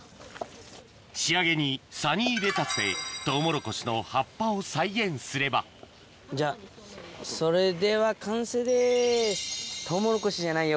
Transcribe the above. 仕上げにサニーレタスでトウモロコシの葉っぱを再現すればじゃあそれでは完成です。